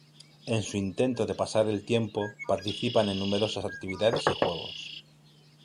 En su intento de pasar el tiempo, participan en numerosas actividades y juegos.